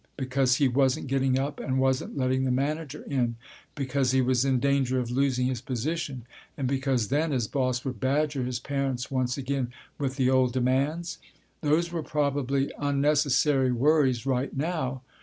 Because he wasn't getting up and wasn't letting the manager in, because he was in danger of losing his position, and because then his boss would badger his parents once again with the old demands? Those were probably unnecessary worries right now.